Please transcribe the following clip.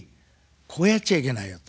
こうやっちゃいけないよと。